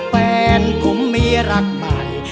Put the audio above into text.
เป็นผมมีรักไป